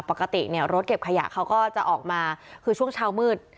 ปกติเนี่ยรถเก็บขยะเขาก็จะออกมาคือช่วงเช้ามืด